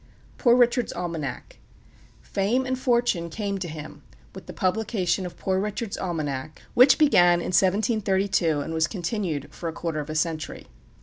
POOR RICHARD'S ALMANAC Fame and fortune came to him with the publication of Poor Richard's Almanac, which began in 1732 and was continued for a quarter of a century.